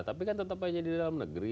tapi kan tetap hanya di dalam negeri